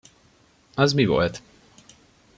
Az mi volt?